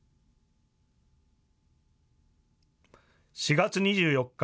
４月２４日。